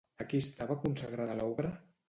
A qui estava consagrada l'obra?